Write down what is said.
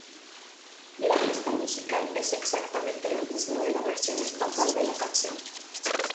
La pista musical es exactamente la misma de la versión estándar de la canción.